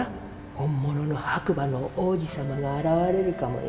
本物の白馬の王子様が現れるかもよ？